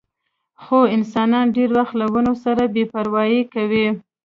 خو انسانان ډېر وخت له ونو سره بې پروايي کوي.